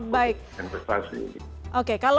bagi masyarakat investasi